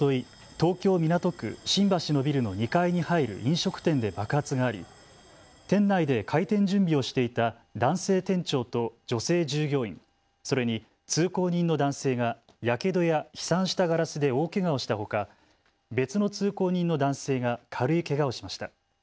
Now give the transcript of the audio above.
東京港区新橋のビルの２階に入る飲食店で爆発があり店内で開店準備をしていた男性店長と女性従業員、それに通行人の男性がやけどや飛散したガラスで大けがをしたほか、別の通行人の男性が軽いけがをしました。